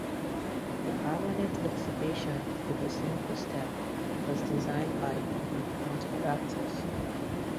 The permanent exhibition, "With a Single Step" was designed by Matter Practice.